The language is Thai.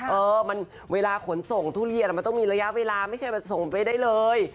เออมันเวลาขนส่งทุเรียนมันต้องมีระยะเวลาไม่ใช่แบบส่งไปได้เลย